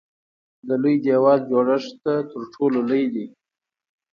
د لوی دیوال جوړښت تر ټولو لوی دی.